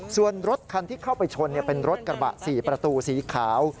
ส่วนรถคันที่เข้าไปชนเป็นรถกระบะ๔ประตูสีขาว